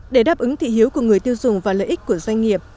để đáp ứng thị hiếu của người tiêu dùng và lợi ích của doanh nghiệp